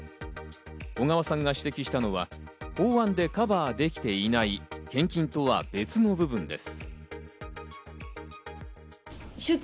小川さんが指摘したのは法案でカバーできていない献金とは別の部分です。